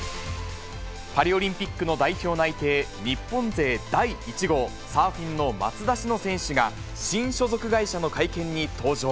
パリオリンピックの代表内定日本勢第１号、サーフィンの松田詩野選手が、新所属会社の会見に登場。